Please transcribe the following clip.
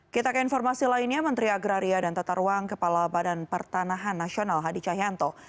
kita ke informasi lainnya menteri agraria dan tata ruang kepala badan pertanahan nasional hadi cahyanto